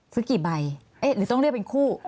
ซื้อกี่ใบเอ๊ะต้องเลือกเป็นคู่